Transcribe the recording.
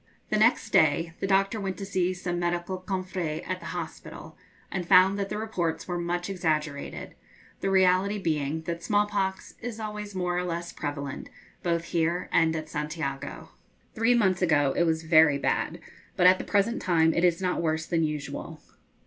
The next day the doctor went to see some medical confrères at the hospital, and found that the reports were much exaggerated, the reality being that small pox is always more or less prevalent both here and at Santiago. Three months ago it was very bad, but at the present time it is not worse than usual.